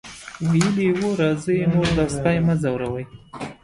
ویلي یې وو راځئ نور دا سپی مه ځوروئ.